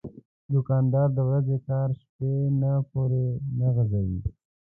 دوکاندار د ورځې کار شپه نه پورې نه غځوي.